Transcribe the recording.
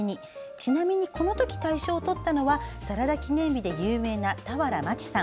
ちなみに、このとき大賞をとったのは「サラダ記念日」で有名な俵万智さん。